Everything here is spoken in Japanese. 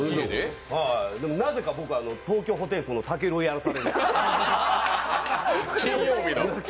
でも、なぜか僕は東京ホテイソンのたけるをやらされる。